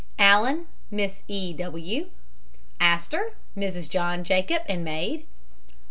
ALLEN, MISS. E. W. ASTOR, MRS. JOHN JACOB, and maid.